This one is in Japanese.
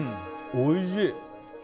おいしい。